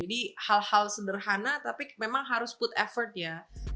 jadi hal hal sederhana tapi memang harus put effort ya